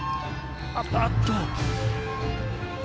あっと！